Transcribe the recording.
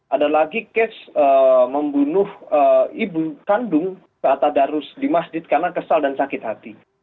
ada lagi cash membunuh ibu kandung kata darus di masjid karena kesal dan sakit hati